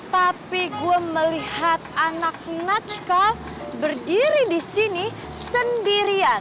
tapi gue melihat anak najk berdiri di sini sendirian